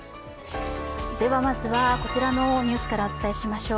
まずは、こちらのニュースからお伝えしましょう。